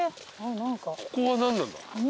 ここは何なんだ？